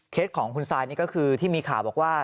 ของคุณซายนี่ก็คือที่มีข่าวบอกว่า